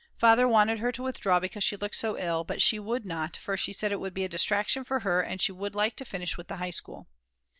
Father wanted her to withdraw because she looks so ill, but she would not for she said it would be a distraction for her and that she would like to finish with the High School.